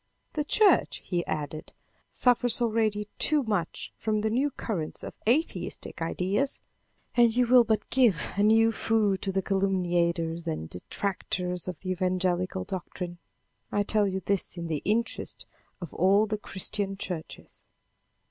"The church," he added, "suffers already too much from the new current of atheistic ideas, and you will but give a new food to the calumniators and detractors of the evangelical doctrine. I tell you this in the interest of all the Christian churches."